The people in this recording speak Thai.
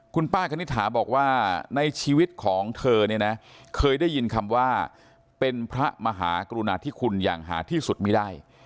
คุณป้าคณิตหาบอกว่าในชีวิตของเธอเนี่ยนะเคยได้ยินคำว่าเป็นพระมหากรุณาธิคุณอย่างหาที่สุดไม่ได้